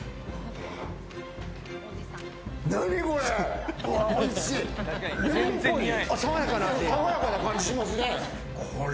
何これ？